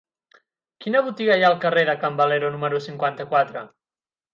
Quina botiga hi ha al carrer de Can Valero número cinquanta-quatre?